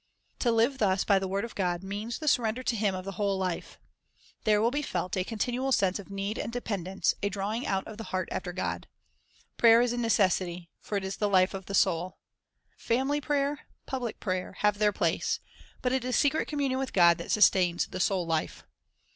To live thus by the word of God means the sur render to Him of the whole life. There will be felt a continual sense of need and dependence, a drawing out of the heart after God. Prayer is a necessity ; for it is the life of the soul. Family prayer, public prayer, have their place; but it is secret communion with God that sustains the soul life.